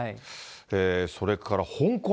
それから香港。